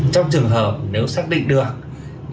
trong trường hợp nếu xác định được